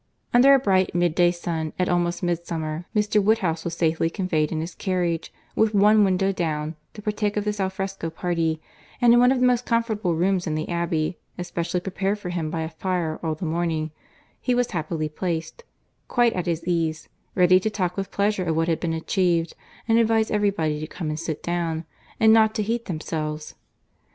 Under a bright mid day sun, at almost Midsummer, Mr. Woodhouse was safely conveyed in his carriage, with one window down, to partake of this al fresco party; and in one of the most comfortable rooms in the Abbey, especially prepared for him by a fire all the morning, he was happily placed, quite at his ease, ready to talk with pleasure of what had been achieved, and advise every body to come and sit down, and not to heat themselves.